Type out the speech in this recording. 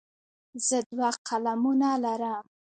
زه دوه قلمونه لرم.